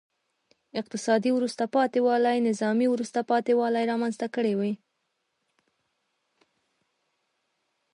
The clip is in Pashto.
اقتصادي وروسته پاتې والي نظامي وروسته پاتې والی رامنځته کړی و.